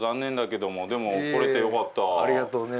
ありがとうね